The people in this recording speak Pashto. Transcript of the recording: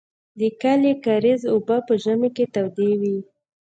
د کلي د کاریز اوبه په ژمي کې تودې وې.